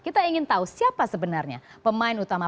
kita ingin tahu siapa sebenarnya pemain utama